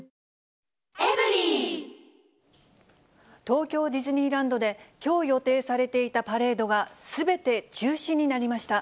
東京ディズニーランドで、きょう予定されていたパレードがすべて中止になりました。